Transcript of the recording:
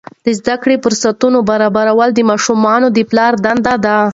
د زده کړې فرصتونه برابرول د ماشومانو د پلار دنده ده.